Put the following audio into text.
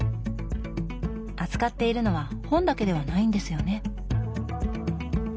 扱っているのは本だけではないんですよね。